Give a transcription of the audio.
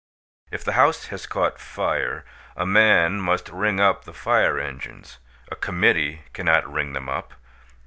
If the house has caught fire a man must ring up the fire engines; a committee cannot ring them up.